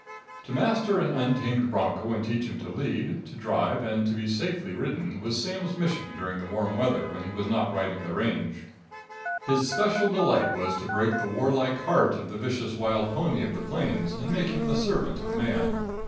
To master an untamed broncho and teach him to lead, to drive and to be safely ridden was Sam's mission during the warm weather when he was not riding the range. His special delight was to break the war like heart of the vicious wild pony of the plains and make him the servant of man.